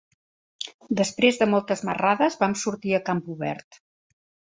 Després de moltes marrades vam sortir a camp obert.